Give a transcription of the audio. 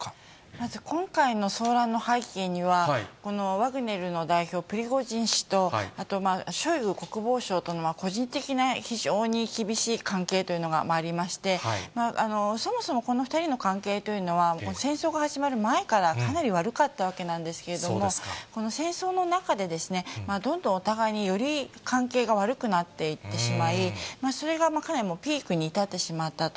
まず、今回の騒乱の背景には、ワグネルの代表、プリゴジン氏とあとショイグ国防相との個人的な、非常に厳しい関係というのがありまして、そもそもこの２人の関係というのは、戦争が始まる前からかなり悪かったわけなんですけれども、この戦争の中で、どんどんお互いにより関係が悪くなっていってしまい、それがかなりピークに至ってしまったと。